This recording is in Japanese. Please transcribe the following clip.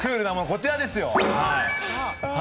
こちらですよ。